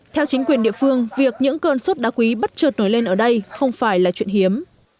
theo chính quyền địa phương việc những cơn sốt đá quý bất trợt nổi lên ở đây không phải là chuyện hiếm